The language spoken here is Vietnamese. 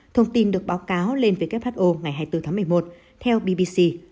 thông tin được báo cáo lên who ngày hai mươi bốn tháng một mươi một theo bbc